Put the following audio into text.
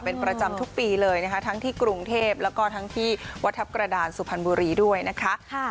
เป็นประจำทุกปีเลยนะคะทั้งที่กรุงเทพแล้วก็ทั้งที่วัดทัพกระดานสุพรรณบุรีด้วยนะคะ